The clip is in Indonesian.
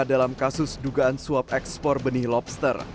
dalam kasus dugaan suap ekspor benih lobster